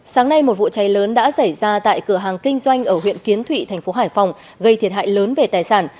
sáng nay một vụ cháy lớn đã xảy ra tại cửa hàng kinh doanh ở huyện kiến thụy thành phố hải phòng gây thiệt hại lớn về tài sản